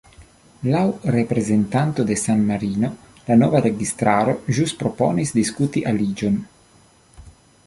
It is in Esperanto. Laŭ reprezentanto de San-Marino, la nova registaro ĵus proponis diskuti aliĝon.